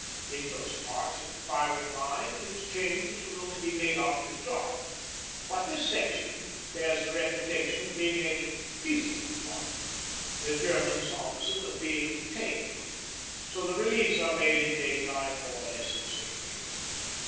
In most parts of the firing line these changes would only be made after dark. But this section bears the reputation of being a 'peaceful' one, the Germans opposite of being 'tame,' so the reliefs are made in daytime, more or less in safety.